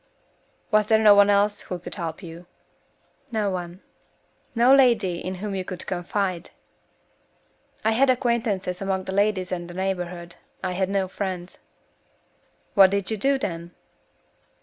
"Was there no one else who could help you?" "No one." "No lady in whom you could confide?" "I had acquaintances among the ladies in the neighborhood. I had no friends." "What did you do, then?"